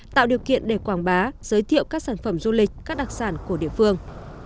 tạo điều kiện để quảng bá giới thiệu các sản phẩm du lịch các đặc sản của địa phương